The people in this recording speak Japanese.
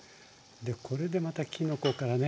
これでまたきのこからね